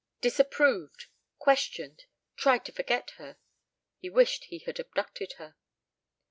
Disapproved! Questioned! Tried to forget her! He wished he had abducted her.